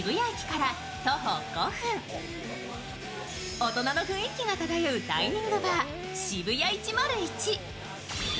大人の雰囲気が漂うダイニングバー、Ｓｈｉｂｕｙａ１０１。